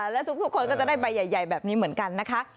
และทุกคนก็จะได้ใบใหญ่แบบนี้เหมือนกันนะคะ